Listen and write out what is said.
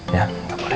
ya gak boleh